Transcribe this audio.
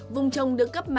vùng trồng được cấp mã